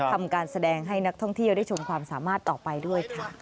ทำการแสดงให้นักท่องเที่ยวได้ชมความสามารถต่อไปด้วยค่ะ